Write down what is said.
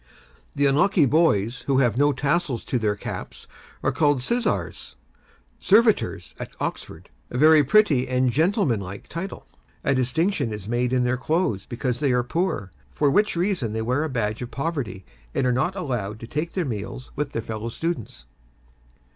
The unlucky boys who have no tassels to their caps, are called sizars SERVITORS at Oxford (a very pretty and gentlemanlike title). A distinction is made in their clothes because they are poor; for which reason they wear a badge of poverty, and are not allowed to take their meals with their fellow students.